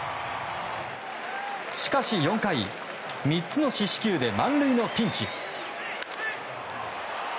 しかし、４回３つの死四球で満塁のピンチ。